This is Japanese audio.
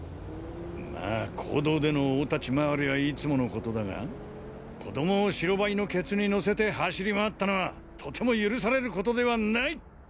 まあ公道での大立ち回りはいつもの事だが子供を白バイのケツに乗せて走り回ったのはとても許される事ではない！